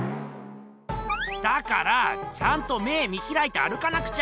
だからあちゃんと目見ひらいて歩かなくちゃ！